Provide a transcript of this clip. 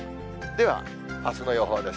では、あすの予報です。